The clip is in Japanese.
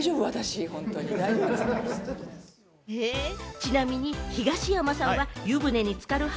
ちなみに東山さんは、湯船につかる派？